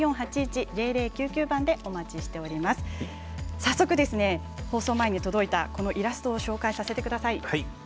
早速ですね、放送前に届いたイラストを紹介させてください。